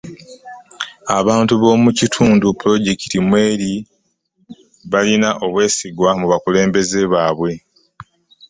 Abantu b’omu kitundu pulojekiti mw'eri balina obwesige mu bakulembeze baabwe.